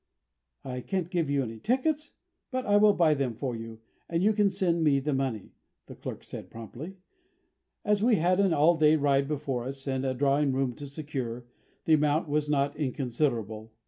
"I can't give you tickets, but I will buy them for you, and you can send me the money," the clerk said promptly. As we had an all day ride before us and a drawing room to secure, the amount was not inconsiderable.